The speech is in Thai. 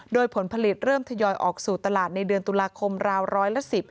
โดยผลผลิตเริ่มทยอยออกสู่ตลาดในเดือนตุลาคมราวร้อยละ๑๐